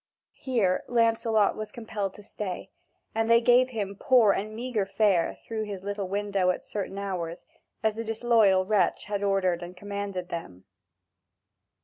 Here Lancelot was compelled to stay, and they gave him poor and meagre fare through this little window at certain hours, as the disloyal wretch had ordered and commanded them.